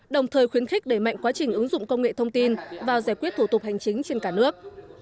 đồng thời khuyến khích đẩy mạnh quá trình ứng dụng công nghệ thông tin vào giải quyết thủ tục hành chính trên cả nước